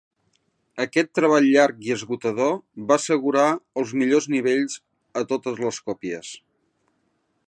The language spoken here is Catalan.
Aquest treball llarg i esgotador va assegurar els millors nivells a totes les còpies.